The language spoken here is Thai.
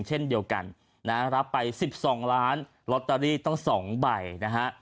เช่นเดียวกันนะฮะรับไป๑๒ล้านลอตเตอรี่ต้อง๒ใบนะฮะ